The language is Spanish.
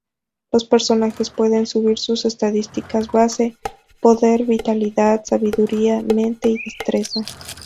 Los personajes pueden subir sus estadísticas base: Poder, Vitalidad, Sabiduría, Mente y Destreza.